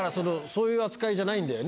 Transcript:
そういう扱いじゃないんだよ